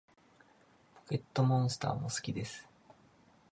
ポケットモンスターも好きです